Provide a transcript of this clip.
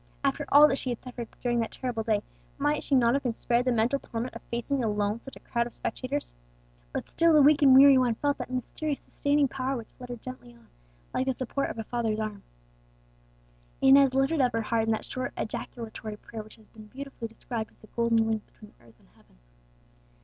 After all that she had suffered during that terrible day, might she not have been spared the mental torment of facing alone such a crowd of spectators! But still the weak and weary one felt that mysterious sustaining power which led her gently on, like the support of a father's arm. Inez lifted up her heart in that short ejaculatory prayer which has been beautifully described as the golden link between earth and heaven.